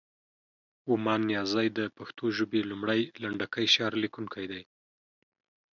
ومان نیازی د پښتو ژبې لومړی، لنډکی شعر لیکونکی دی.